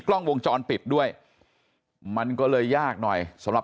ส่วนเรื่องทางคดีนะครับตำรวจก็มุ่งไปที่เรื่องการฆาตฉิงทรัพย์นะครับ